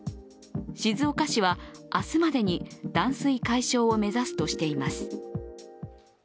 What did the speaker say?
静岡市は明日までに断水解消を目指すとしています。